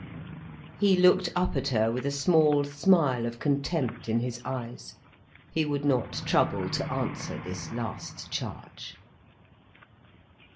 He looked up at her with a small smile of contempt in his eyes. He would not trouble to answer this last charge.